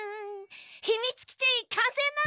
ひみつきちかんせいなのだ！